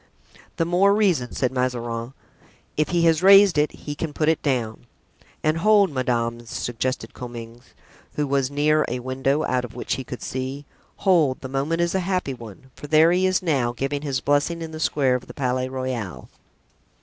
"The more reason," said Mazarin; "if he has raised it he can put it down." "And hold, madame," suggested Comminges, who was near a window, out of which he could see; "hold, the moment is a happy one, for there he is now, giving his blessing in the square of the Palais Royal."